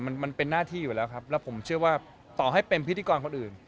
มันมันเป็นหน้าที่อยู่แล้วครับแล้วผมเชื่อว่าต่อให้เป็นพิธีกรคนอื่น